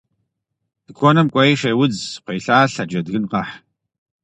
Тыкуэным кӏуэи шейудз, кхъуейлъалъэ, джэдгын къэхь.